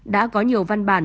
đã có nhiều văn bản